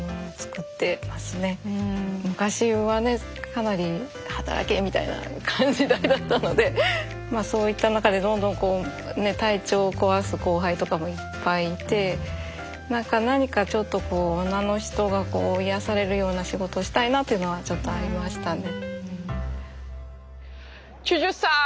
昔はねかなり働けみたいな時代だったのでそういった中でどんどんこうね体調を壊す後輩とかもいっぱいいてなんか何かちょっとこう女の人が癒やされるような仕事をしたいなっていうのはちょっとありましたね。